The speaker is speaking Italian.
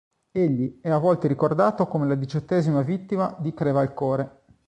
Egli è a volte ricordato come la diciottesima vittima di Crevalcore.